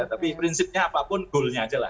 tapi prinsipnya apapun goal nya saja lah